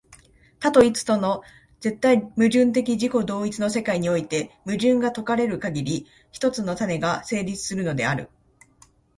多と一との絶対矛盾的自己同一の世界において、矛盾が解かれるかぎり、一つの種が成立するのである。